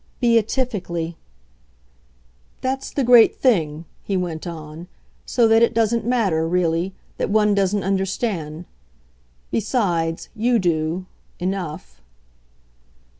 "Beatifically." "That's the great thing," he went on; "so that it doesn't matter, really, that one doesn't understand. Besides, you do enough."